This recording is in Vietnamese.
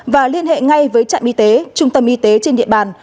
và liên hệ ngay với trạm y tế trung tâm y tế trên địa bàn